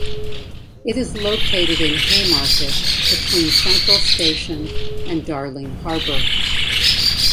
It is located in Haymarket, between Central Station and Darling Harbour.